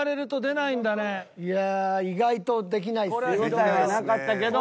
いや意外とできないっすね。